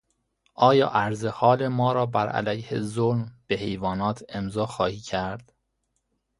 آیا عرضحال ما را بر علیه ظلم به حیوانات امضا خواهی کرد؟